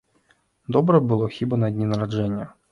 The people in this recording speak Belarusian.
Добра было хіба на дні нараджэння.